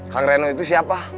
kang reno itu siapa